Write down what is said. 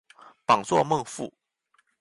榜作孟富。